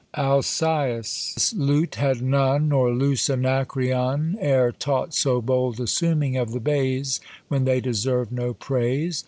Alcæus lute had none, Nor loose Anacreon E'er taught so bold assuming of the bays When they deserv'd no praise.